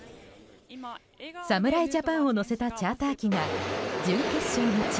侍ジャパンを乗せたチャーター機が準決勝の地